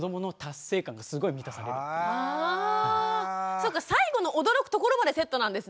そっか最後の驚くところまでセットなんですね。